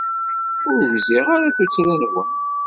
Ur gziɣ ara tuttra-nwen.